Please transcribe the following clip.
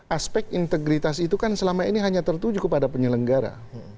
aspek integritas itu kan selama ini hanya tertuju kepada penyelenggara